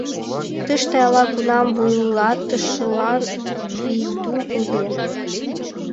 — Тыште ала-кунам вуйлатышылан Вийду ыле.